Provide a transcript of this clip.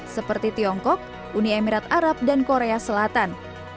seperti tiongkok uni emirat arab dan korea selatan